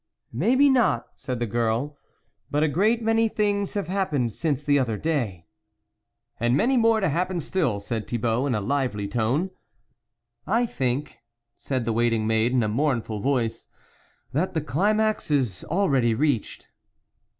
" May be not," said the girl, " but great many things have happened since the other day." And many more to happen still," saic Thibault in a lively tone. " I think," said the waiting maid in a mournful voice, " that the climax is already reached."